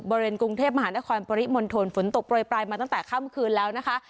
บริเวณกรุงเทพมหานครปริมณฑลฝนตกโปรยปลายมาตั้งแต่ค่ำคืนแล้วนะคะ